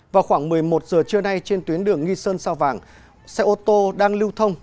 vào khoảng một mươi một giờ trưa nay trên tuyến đường nghi sơn sao vàng xe ô tô đang lưu thông